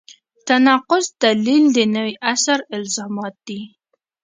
تناقض دلیل د نوي عصر الزامات دي.